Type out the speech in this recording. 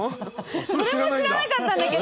それも知らなかったんだけど。